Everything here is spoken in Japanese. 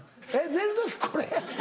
寝る時これ？